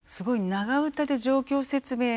長唄で状況説明なり